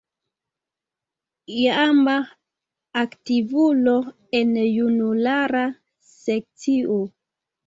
Iama aktivulo en junulara sekcio.